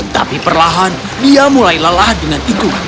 tapi perlahan dia mulai lelah dengan ikut